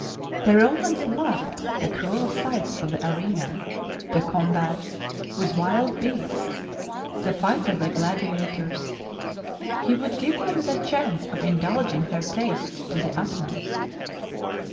The Romans loved the cruel sights of the arena, the combats with wild beasts, the fights of the gladiators; he would give them the chance of indulging their taste to the utmost.